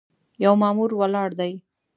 یو مامور ولاړ دی.